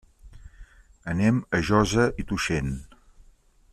Anem a Josa i Tuixén.